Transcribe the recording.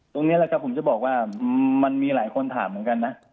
ตรงนี้แหละครับผมจะบอกว่ามันมีหลายคนถามเหมือนกันนะ